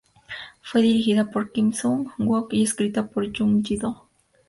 Fue dirigida por Kim Sung-wook y escrita por Jung Yi-do.